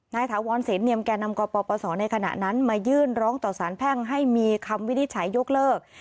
ถาวรเสนเนียมแก่นำกปศในขณะนั้นมายื่นร้องต่อสารแพ่งให้มีคำวินิจฉัยยกเลิก